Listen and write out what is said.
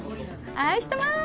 愛してます